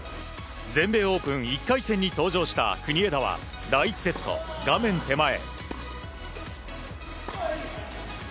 全米オープン１回戦に登場した国枝は第１セット、画面手前。